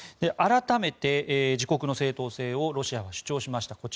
改めて自国の正当性をロシアは主張しました。